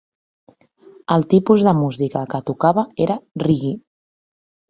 El tipus de música que tocava era reggae.